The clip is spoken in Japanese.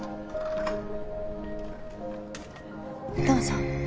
どうぞ。